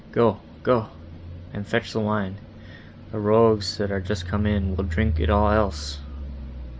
Go—go, and fetch the wine; the rogues, that are just come in, will drink it all else."